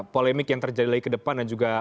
polemik yang terjadi lagi ke depan dan juga